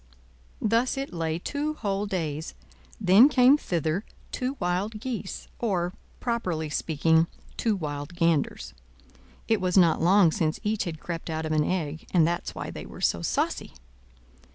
Thus it lay two whole days; then came thither two wild geese, or, properly speaking, two wild ganders. It was not long since each had crept out of an egg, and that's why they were so saucy.